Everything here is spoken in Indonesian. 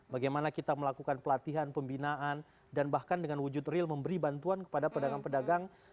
bagaimana kita melakukan pelatihan pembinaan dan bahkan dengan wujud real memberi bantuan kepada pedagang pedagang